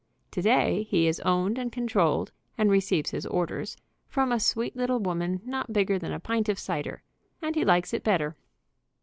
To day he is owned and controlled, and receives his orders from a sweet little woman, not bigger than a pint of cider, and he likes it better.